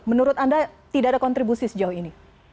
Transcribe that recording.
menurut anda tidak ada kontribusi sejauh ini